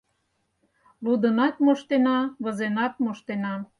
Лудынат моштена, возенат моштена